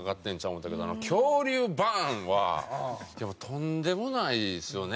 思ったけどあの恐竜バーン！はとんでもないですよね